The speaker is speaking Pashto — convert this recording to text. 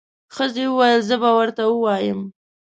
ښځې وويل زه به ورته ووایم.